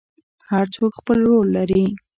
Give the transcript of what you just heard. هر څوک خپل رول لري